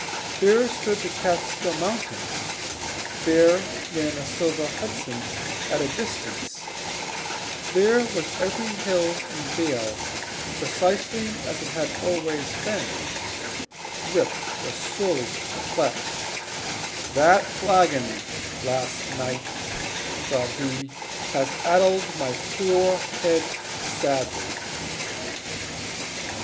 There stood the Kaatskill Mountains there ran the silver Hudson at a distance there was every hill and dale precisely as it had always been Rip was sorely perplexed "That flagon last night," thought he, "has addled my poor head sadly!"